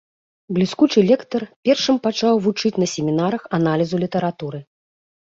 Бліскучы лектар, першым пачаў вучыць на семінарах аналізу літаратуры.